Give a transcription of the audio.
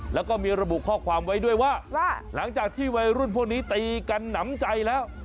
แล้วก็มีระบุข้อความไว้ด้วยว่าหลังจากที่วัยรุ่นพวกนี้ตีกันหนำใจแล้ว